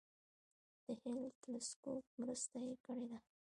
د هبل تلسکوپ مرسته یې کړې ده.